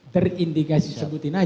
terindikasi sebutin saja